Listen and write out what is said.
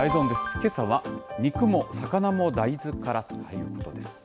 けさは肉も魚も大豆からということです。